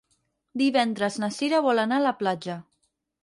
Divendres na Cira vol anar a la platja.